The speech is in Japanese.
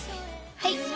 はい